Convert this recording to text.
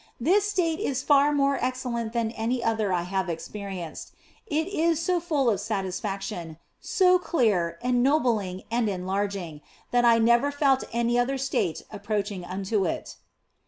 This state is far more excellent than any other I have experienced ; it is so full of satisfaction, so clear, ennobling, and enlarging that I never felt any other state approaching unto it.